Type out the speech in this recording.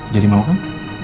jadi mau kan